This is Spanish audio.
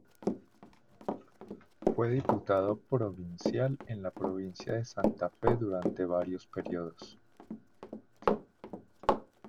Fue diputado provincial en la provincia de Santa Fe durante varios períodos.